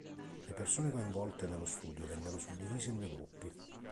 Le persone coinvolte nello studio vennero suddivise in due gruppi.